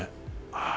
ああ！